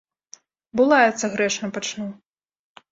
Бо лаяцца грэшна пачну.